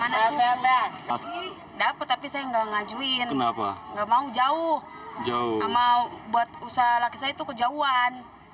nggak mau buat usaha laki saya itu kejauhan